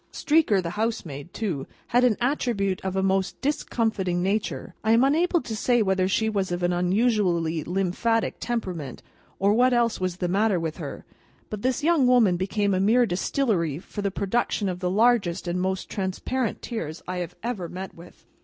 Streaker, the housemaid, too, had an attribute of a most discomfiting nature. I am unable to say whether she was of an unusually lymphatic temperament, or what else was the matter with her, but this young woman became a mere Distillery for the production of the largest and most transparent tears I ever met with.